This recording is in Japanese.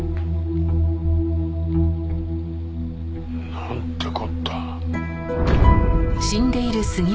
なんてこった。